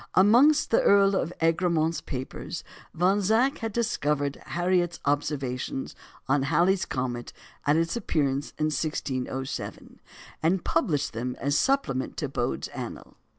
Amongst the Earl of Egremont's papers Von Zach had discovered Harriot's observations on Halley's comet at its appearance in 1607, and published them as a supplement to Bode's Annual.